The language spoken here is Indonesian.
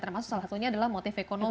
termasuk salah satunya adalah motif ekonomi